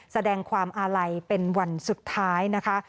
แสดงความอาลัยเป็นวันสุดท้ายนะคะ